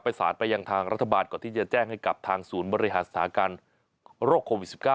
ประสานไปยังทางรัฐบาลก่อนที่จะแจ้งให้กับทางศูนย์บริหารสถานการณ์โรคโควิด๑๙